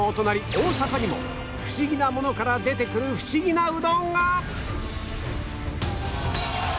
大阪にもフシギなものから出てくるフシギなうどんが